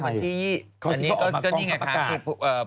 วันนี้ก็นี่ไงครับ